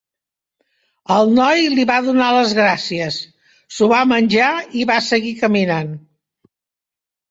El noi li va donar les gràcies, s'ho va menjar i va seguir caminant.